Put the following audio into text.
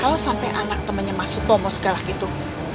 kalo sampe anak temennya mas utomo segala gitu